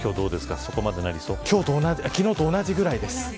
今日は昨日と同じぐらいです。